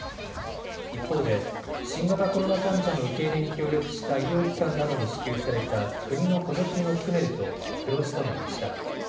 一方で新型コロナ患者の受け入れに協力した医療機関などに支給された国の補助金を含めると黒字となりました。